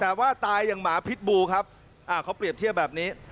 แต่ว่าตายอย่างหมาพิษบูครับเขาเปรียบเทียบแบบนี้